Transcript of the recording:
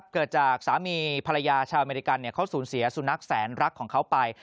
เกิดจากสามีภรรยาชาวอเมริกันเขาสูญเสียสุนัขแสนรักของเขาไป